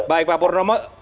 baik pak purnomo